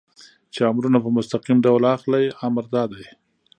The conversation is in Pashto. چې امرونه په مستقیم ډول اخلئ، امر دا دی.